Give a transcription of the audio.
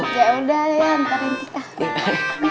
yaudah ya anterin tika